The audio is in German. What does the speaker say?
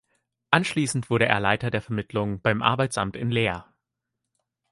Anschließend wurde er Leiter der Vermittlung beim Arbeitsamt in Leer.